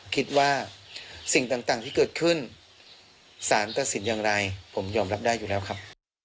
คิดว่าสิ่งต่างที่เกิดขึ้นสารตัดสินอย่างไรผมยอมรับได้อยู่แล้วครับ